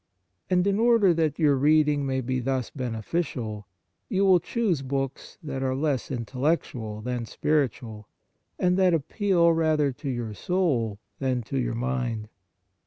And in order that your reading may be thus beneficial, you will choose books that are less intellectual than spiritual, and that appeal rather to your soul than to your mind.